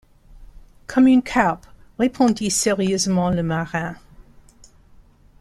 Comme une carpe, » répondit sérieusement le marin.